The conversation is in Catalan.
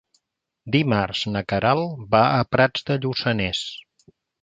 Dimarts na Queralt va a Prats de Lluçanès.